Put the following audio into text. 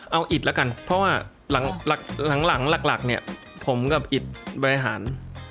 เอาอิดแล้วกันเพราะว่าหลังหลักเนี่ยผมกับอิตบริหาร